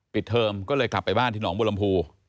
เทอมก็เลยกลับไปบ้านที่หนองบุรมภู